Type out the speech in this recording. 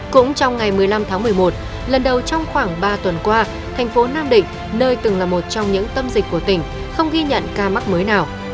cũng trong ngày một mươi năm tháng một mươi một lần đầu trong khoảng ba tuần qua thành phố nam định nơi từng là một trong những tâm dịch của tỉnh không ghi nhận ca mắc mới nào